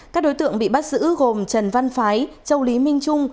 các đối tượng bị bắt giữ gồm trần văn phái châu lý minh trung